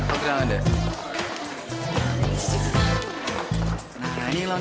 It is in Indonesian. nah ini yang lawan tahun sayang